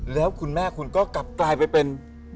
แล้วคุณแม่คุณก็กลับกลายไปเป็น